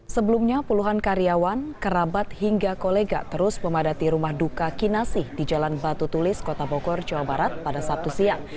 sebelumnya puluhan karyawan kerabat hingga kolega terus memadati rumah duka kinasi di jalan batu tulis kota bogor jawa barat pada sabtu siang